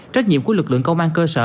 trách nhiệm của lực lượng công an cơ sở